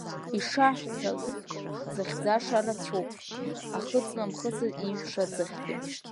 Ишаҳҳәалоз, дзыхьӡаша рацәоуп, ахы ыҵнамхцт иижәша аӡыхьгьы.